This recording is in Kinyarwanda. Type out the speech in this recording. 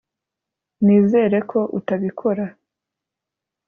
nizere ko utabikora. (